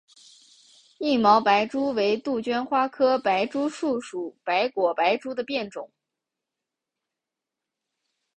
硬毛白珠为杜鹃花科白珠树属白果白珠的变种。